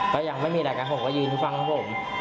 ก็ยังไม่มีอะไรครับผมก็ยืนที่ฟังครับผม